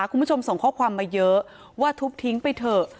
คุณผู้ชมส่งข้อความมาเยอะว่าทุบทิ้งไปเถอะ